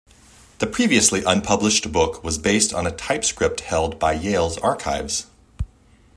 The previously unpublished book was based on a typescript held by Yale's archives.